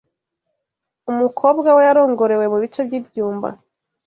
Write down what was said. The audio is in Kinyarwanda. Umukobwa we yarongorewe mubice byibyumba